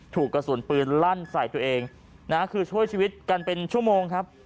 ถูกกระสุนปืนลั่นใส่ตัวเองนะคือช่วยชีวิตกันเป็นชั่วโมงครับ